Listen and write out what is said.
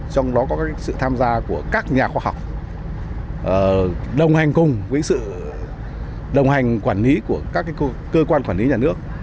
trong đó có sự tham gia của các nhà khoa học đồng hành cùng với sự đồng hành quản lý của các cơ quan quản lý nhà nước